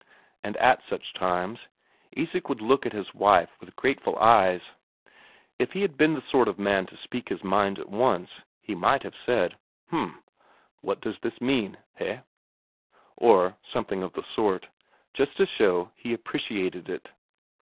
And at such times Isak would look at his wife with grateful eyes; if he had been the sort of man to speak his mind at once, he might have said, "H'm. What does this mean, heh?" or something of the sort, just to show he appreciated it.